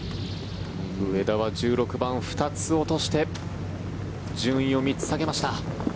上田は１６番２つ落として順位を３つ下げました。